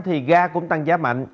thì ga cũng tăng giá mạnh